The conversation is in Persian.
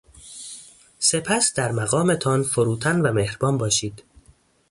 سپس در مقامتان فروتن و مهربان باشید.